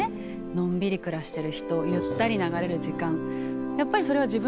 のんびり暮らしてる人ゆったり流れる時間。